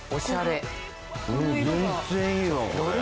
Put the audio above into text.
全然いいわこれ。